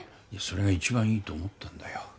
それが一番いいと思ったんだよ